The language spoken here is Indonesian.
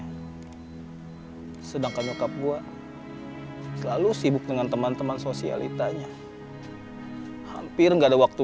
hai sedangkan nyokap gua selalu sibuk dengan teman teman sosialitanya hampir nggak ada waktu